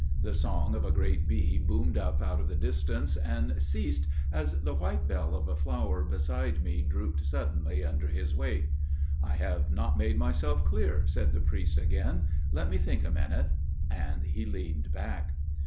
The song of a great bee boomed up out of the distance and ceased as the white bell of a flower beside me drooped suddenly under his weight. "I have not made myself clear," said the priest again. "Let me think a minute." And he leaned back.